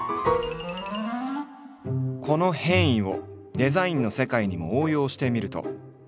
この変異をデザインの世界にも応用してみると。